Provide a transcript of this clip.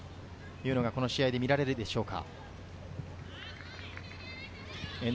この試合で見られるでしょうか。